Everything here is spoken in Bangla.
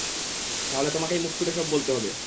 তাহলে, তোমাকেই মুখ ফুটে সব বলতে হবে!